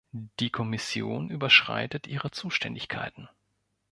Die Kommission überschreitet ihre Zuständigkeiten.